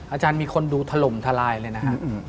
อาจารย์มีคนดูถล่มทลายเลยนะฮะ